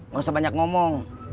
gak usah banyak ngomong